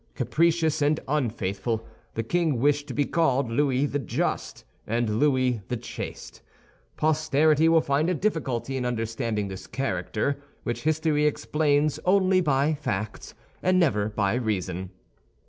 Capricious and unfaithful, the king wished to be called Louis the Just and Louis the Chaste. Posterity will find a difficulty in understanding this character, which history explains only by facts and never by reason.